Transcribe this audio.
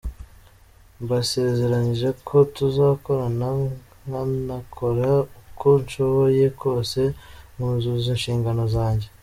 Mbasezeranyije ko tuzakorana nkanakora uko nshoboye kose nkuzuza inshingano zanjye.